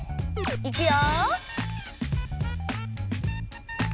いくよ。